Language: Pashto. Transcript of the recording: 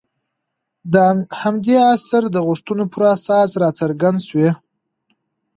د همدې عصر د غوښتنو پر اساس راڅرګند شوي.